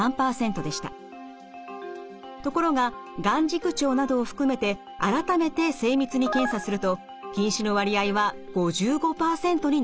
ところが眼軸長などを含めて改めて精密に検査すると近視の割合は５５％になっていました。